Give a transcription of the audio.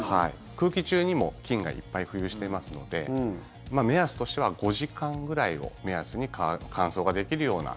空気中にも菌がいっぱい浮遊していますので目安としては５時間ぐらいを目安に乾燥ができるような。